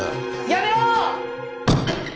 やめろ！